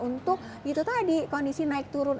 untuk itu tadi kondisi naik turun